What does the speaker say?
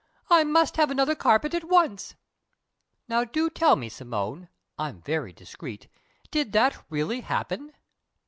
'I must have another carpet at once.' Now do tell me, Simone (I'm very discreet!) did that really happen?"